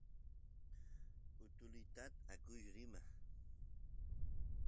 utulitata akush rima